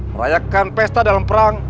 merayakan pesta dalam perang